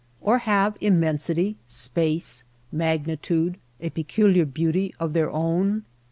Or have immensity, space, magnitude a peculiar beauty of their own